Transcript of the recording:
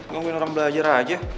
gak usah bikin orang belajar aja